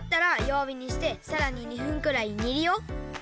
わびにしてさらに２分くらいにるよ。